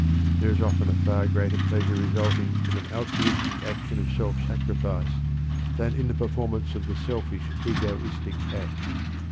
There is often a far greater pleasure resulting from an altruistic action of self sacrifice than in the performance of the selfish, egoistic act.